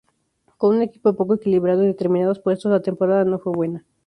Con un equipo poco equilibrado en determinados puestos la temporada no fue buena.